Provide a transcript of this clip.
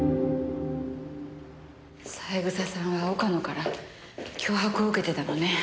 三枝さんは岡野から脅迫を受けてたのね。